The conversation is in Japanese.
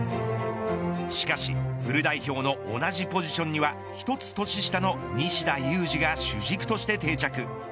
しかし、フル代表の同じポジションには１つ年下の西田有志が主軸として定着。